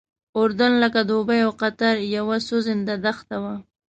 اردن لکه دوبۍ او قطر یوه سوځنده دښته وه.